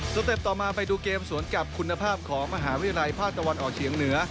เต็ปต่อมาไปดูเกมสวนกับคุณภาพของมหาวิทยาลัยภาคตะวันออกเฉียงเหนือ